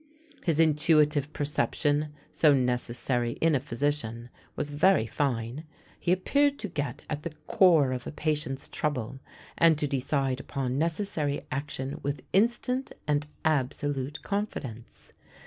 His intuitive perception, so necessary in a physician, was very fine : he appeared to get at the core of a patient's trouble, and to decide upon necessary action with in stant and absolute confidence.